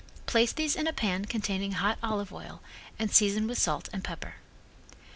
Place these in a pan containing hot olive oil, and season with salt and pepper.